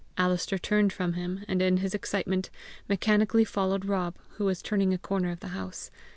Alister turned from him, and in his excitement mechanically followed Rob, who was turning a corner of the house.